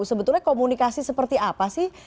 sebetulnya komunikasi seperti apa sih